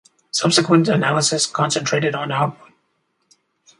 Subsequent analysis concentrated on output.